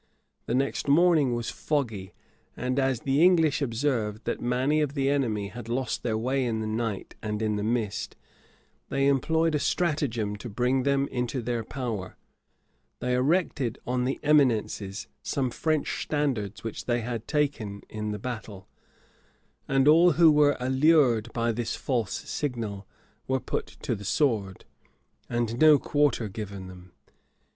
The next morning was foggy; and as the English observed that many of the enemy had lost their way in the night and in the mist, they employed a stratagem to bring them into their power: they erected on the eminences some French standards which they had taken in the battle, and all who were allured by this false signal were put to the sword, and no quarter given them.